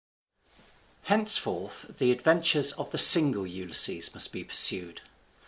Henceforth the adventures of the single Ulysses must be pursued.